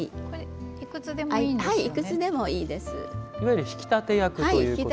いくつでもいいです。